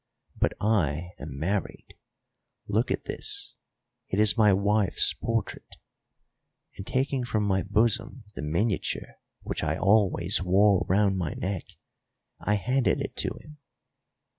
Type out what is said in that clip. But I am married. Look at this; it is my wife's portrait"; and, taking from my bosom the miniature which I always wore round my neck, I handed it to him.